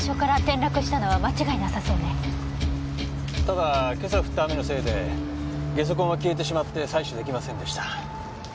ただ今朝降った雨のせいでゲソ痕は消えてしまって採取出来ませんでした。